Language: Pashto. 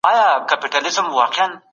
توماس هره ورځ ورځپاڼې لوستلې.